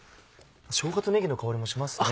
しょうがとねぎの香りもしますね。